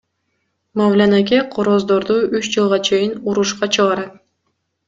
Мавлян аке короздорду үч жылга чейин урушка чыгарат.